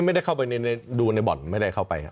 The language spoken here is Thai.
ไม่ได้เข้าไปดูในบ่อนไม่ได้เข้าไป